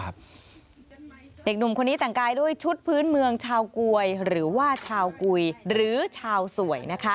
เด็กหนุ่มคนนี้แต่งกายด้วยชุดพื้นเมืองชาวกวยหรือว่าชาวกุยหรือชาวสวย